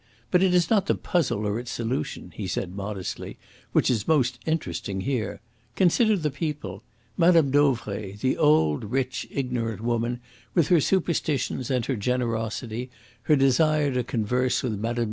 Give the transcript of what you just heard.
But it is not the puzzle or its solution," he said modestly, "which is most interesting here. Consider the people. Mme. Dauvray, the old, rich, ignorant woman, with her superstitions and her generosity, her desire to converse with Mme.